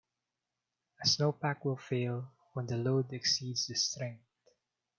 A snowpack will fail when the load exceeds the strength.